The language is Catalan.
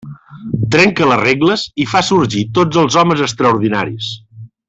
Trenca les regles i fa sorgir tots els homes extraordinaris.